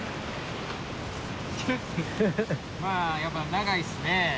まあやっぱ長いっすね。